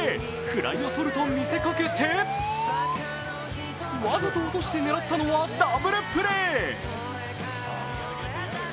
フライをとると見せかけてわざと落として狙ったのはダブルプレー。